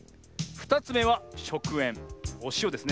２つめはしょくえんおしおですね。